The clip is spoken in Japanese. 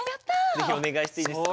是非お願いしていいですか？